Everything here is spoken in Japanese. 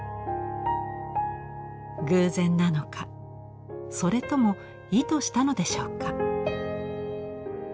偶然なのかそれとも意図したのでしょうか。